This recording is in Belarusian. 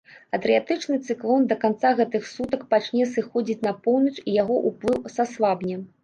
Адрыятычны цыклон да канца гэтых сутак пачне сыходзіць на поўнач і яго ўплыў саслабне.